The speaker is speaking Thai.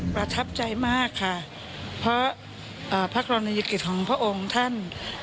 ประทับใจมากค่ะเพราะพระกรณียกิจของพระองค์ท่าน